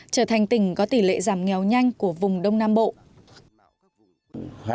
trở thành tỉnh có tỷ lệ giảm nghèo nhanh